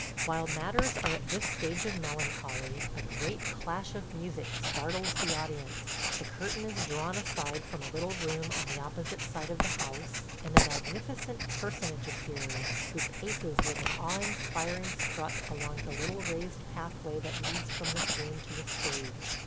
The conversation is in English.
While matters are at this stage of melancholy, a great clash of music startles the audience, the curtain is drawn aside from a little room on the opposite side of the house, and a magnificent personage appears, who paces with an awe inspiring strut along the little raised pathway that leads from this room to the stage.